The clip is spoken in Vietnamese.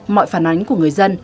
mọi phản ánh của người dân